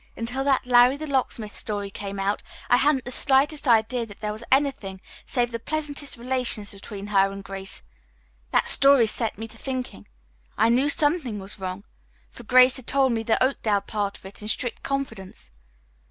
Until that 'Larry, the Locksmith' story came out I hadn't the slightest idea that there was anything save the pleasantest relations between her and Grace. That story set me to thinking. I knew something was wrong, for Grace had told me the Oakdale part of it in strict confidence.